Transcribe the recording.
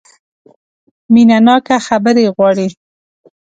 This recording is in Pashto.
مینه ناکه خبرې غواړي .